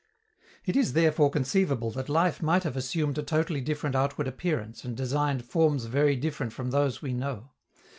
It is therefore conceivable that life might have assumed a totally different outward appearance and designed forms very different from those we know.